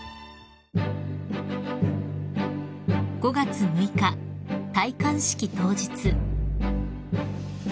［５月６日戴冠式当日］